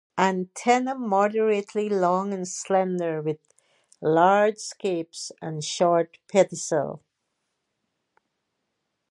Antenna moderately long and slender with large scape and short pedicel.